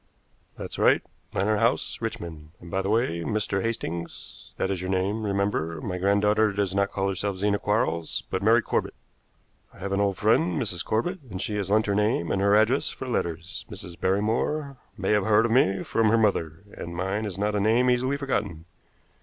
"That's right; Lantern House, Richmond. And, by the way, Mr. Hastings that is your name, remember my granddaughter does not call herself Zena Quarles, but Mary Corbett. I have an old friend, Mrs. Corbett, and she has lent her name and her address for letters. Mrs. Barrymore may have heard of me from her mother, and mine is not a name easily forgotten.